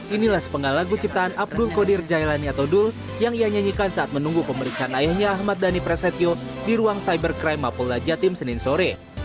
inilah sepenggal lagu ciptaan abdul qadir jailani atau dul yang ia nyanyikan saat menunggu pemeriksaan ayahnya ahmad dhani prasetyo di ruang cybercrime mapolda jatim senin sore